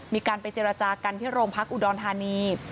มีการไปเจรจากันที่โรงพักอุดรธานี